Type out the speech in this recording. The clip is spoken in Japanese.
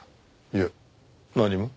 いえ何も。